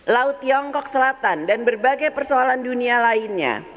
laut tiongkok selatan dan berbagai persoalan dunia lainnya